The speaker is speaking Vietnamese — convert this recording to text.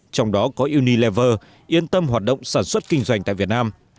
trong đó có unilever yên tâm hoạt động sản xuất kinh doanh tại việt nam